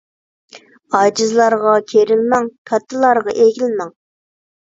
ئاجىزلارغا كېرىلمەڭ، كاتتىلارغا ئېگىلمەڭ.